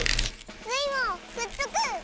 スイもくっつく！